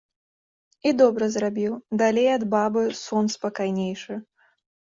І добра зрабіў, далей ад бабы, сон спакайнейшы.